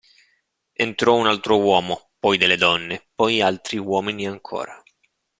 Entrò un altro uomo, poi delle donne, poi altri uomini ancora.